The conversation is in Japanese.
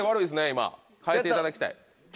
今変えていただきたい。